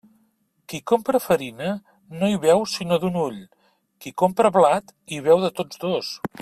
Qui compra farina no hi veu sinó d'un ull; qui compra blat hi veu de tots dos.